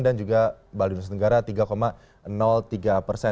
dan juga balai lusat negara tiga tiga persen